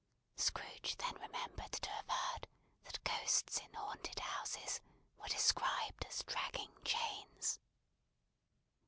Scrooge then remembered to have heard that ghosts in haunted houses were described as dragging chains.